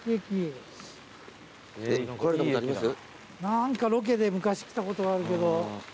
何かロケで昔来たことはあるけど。